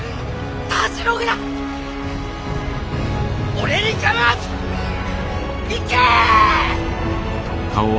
俺に構わず行け！